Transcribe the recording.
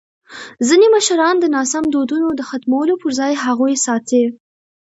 ځینې مشران د ناسم دودونو د ختمولو پر ځای هغوی ساتي.